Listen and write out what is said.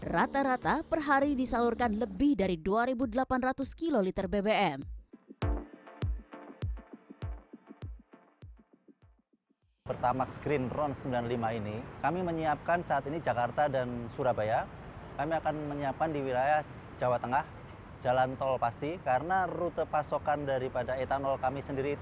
rata rata per hari disalurkan lebih dari dua delapan ratus kiloliter bbm